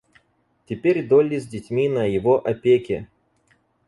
Теперь Долли с детьми на его опеке.